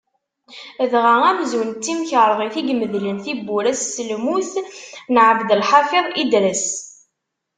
Dɣa amzun d timkerḍit i imedlen tiwura-s s lmut n Ɛebdelḥafiḍ Idres.